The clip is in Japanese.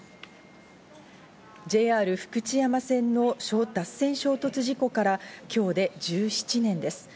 ＪＲ福知山線の脱線衝突事故から今日で１７年です。